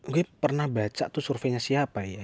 gue pernah baca tuh surveinya siapa ya